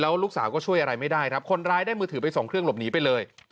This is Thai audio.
ลูกสาวก็ช่วยอะไรไม่ได้ครับคนร้ายได้มือถือไปสองเครื่องหลบหนีไปเลย